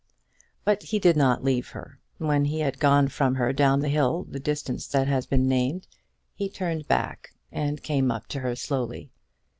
But he did not leave her. When he had gone from her down the hill the distance that has been named, he turned back, and came up to her slowly.